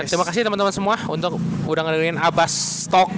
terima kasih temen temen semua udah ngedengerin abastalk